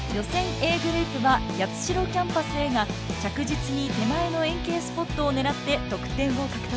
Ａグループは八代キャンパスＡが着実に手前の円形スポットを狙って得点を獲得。